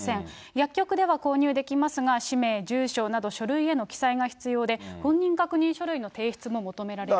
薬局では購入できますが、氏名、住所など、書類への記載が必要で、本人確認書類の提出も求められると。